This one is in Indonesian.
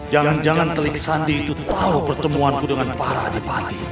jangan jangan telik sandi itu tahu pertemuanku dengan para bupati